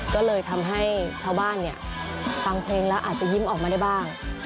ก็เลยทำให้ชาวบ้านเนี่ยฟังเพลงแล้วอาจจะยิ้มออกมาได้บ้าง